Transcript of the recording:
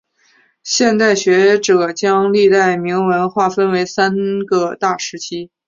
现代学者将历代铭文划分为三个大时期。